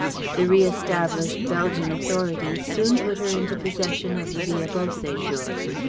The re established Belgian authorities soon put her into possession of the Villa Beau séjour.